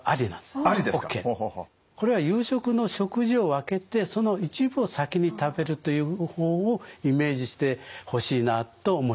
これは夕食の食事を分けてその一部を先に食べるという方法をイメージしてほしいなと思いますね。